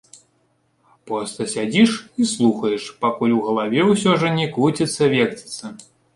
Проста сядзіш і слухаеш, пакуль ў галаве ўсё ужо не круціцца-верціцца.